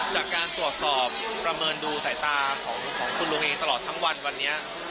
จากการตรวจสอบประเมินดูสายตาของคุณลุงเองตลอดทั้งวันวันนี้